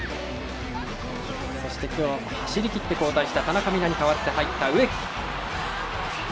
そして、今日は走りきって交代した田中美南に代わって、入った植木。